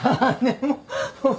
もう。